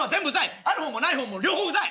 ある方もない方も両方うざい。